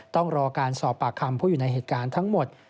ต้องรอการสอบปากคำผู้อยู่ในเหตุการณ์ทั้งหมด